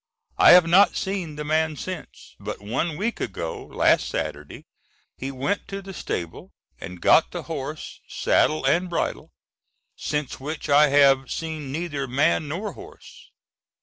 I have not seen the man since; but one week ago last Saturday he went to the stable and got the horse, saddle and bridle, since which I have seen neither man nor horse.